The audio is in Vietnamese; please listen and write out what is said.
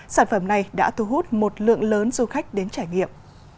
sản phẩm này đã thu hút một lượng lớn du khách đến trải nghiệm